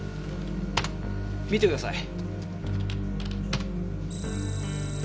見てください。